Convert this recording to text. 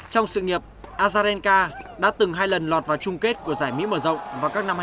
trong sự nghiệp azarenka đã từng hai lần lọt vào chung kết của giải mỹ mở rộng vào các năm hai nghìn một mươi hai và hai nghìn một mươi ba